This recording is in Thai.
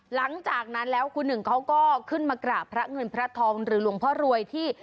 หลังจากนั้นแล้วคุณหนึ่งเขาก็ขึ้นมากราบพระเงินพระทองหรือหลวงพ่อรวยที่